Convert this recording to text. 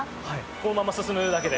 このまま進むだけで。